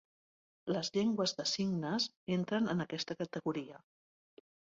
Les llengües de signes entren en aquesta categoria.